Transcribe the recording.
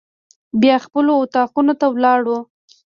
بیا خپلو اطاقونو ته ولاړو.